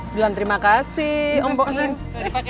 jangan terima kasih om boksnya